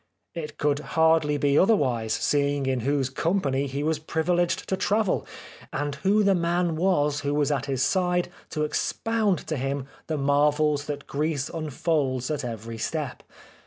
It could hardly be otherwise seeing in whose company he was privileged to travel, and who the man was who was at his side to expound to him the marvels that Greece unfolds at every step.